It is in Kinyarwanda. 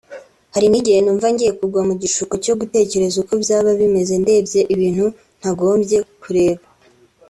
Hari n’igihe numva ngiye kugwa mu gishuko cyo gutekereza uko byaba bimeze ndebye ibintu ntagombye kureba